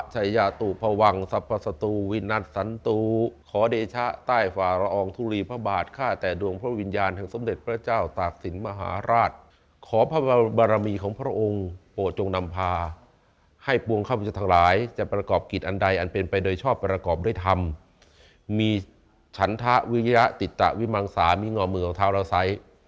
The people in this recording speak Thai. ฉันทะวิยะติตะวิมังสามิงอมีย์มือของเทาระไซด์